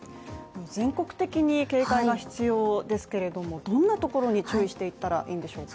全国的に警戒が必要ですがどんなところに注意していったらいいんでしょうか。